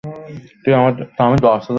তুই আমার জন্য অনেক বেশি গভীর!